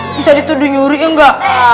bisa dituduh nyuri ya ga